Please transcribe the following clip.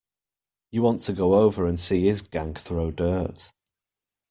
You want to go over and see his gang throw dirt.